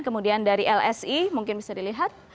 kemudian dari lsi mungkin bisa dilihat